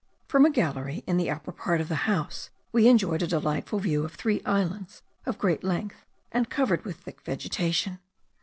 From a gallery in the upper part of the house we enjoyed a delightful view of three islands of great length, and covered with thick vegetation.